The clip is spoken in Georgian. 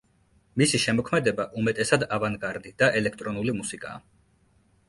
მისი შემოქმედება უმეტესად ავანგარდი და ელექტრონული მუსიკაა.